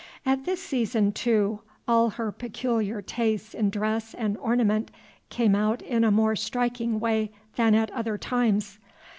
At this season, too, all her peculiar tastes in dress and ornament came out in a more striking way than at other times.